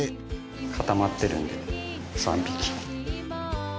かたまってるんで３匹。